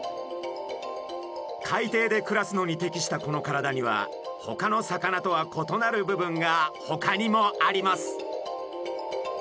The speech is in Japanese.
海底で暮らすのに適したこの体にはほかの魚とは異なる部分がほかにもあります。